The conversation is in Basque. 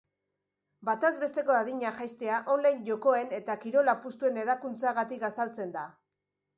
Bataz besteko adina jaistea online jokoen eta kirol apustuen hedakuntzagatik azaltzen da.